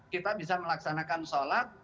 kita bisa melaksanakan sholat